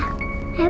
hidup di rumah